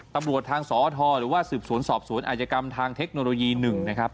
ตำรวจทางสอทหรือว่าสืบสวนสอบสวนอาจกรรมทางเทคโนโลยี๑นะครับ